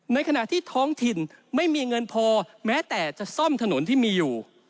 ในขณะที่ท้องถิ่นไม่มีเงินพอแม้แต่จะซ่อมถนนที่มีอยู่